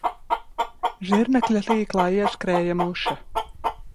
Zirnekļa tīklā ieskrēja muša